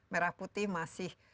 merah putih masih